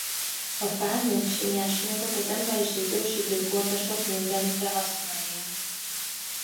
A fát mint nyersanyagot az emberiség ősidők óta sok mindenre használja.